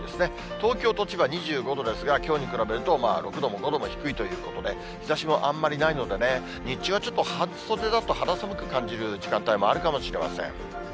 東京と千葉、２５度ですが、きょうと比べると６度も５度も低いということで、日ざしもあんまりないのでね、日中はちょっと、半袖だと肌寒く感じる時間帯もあるかもしれません。